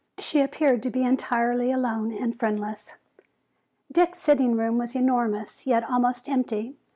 She appeared to be entirely alone and friendless. Dick's sitting room was enormous, yet almost empty.